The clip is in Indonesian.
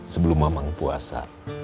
sebelum mamang puasa